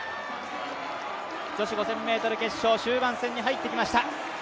女子５０００ｍ決勝終盤戦に入ってきました。